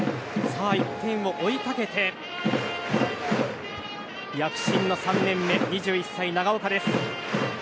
１点を追いかけて躍進の３年目、２１歳の長岡。